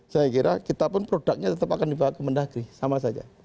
saya kira kita pun produknya tetap akan dibawa ke menteri dalam negeri